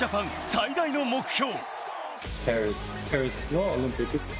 最大の目標。